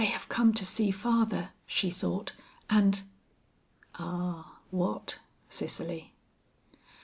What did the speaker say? "They have come to see father," she thought "and " Ah what, Cicely?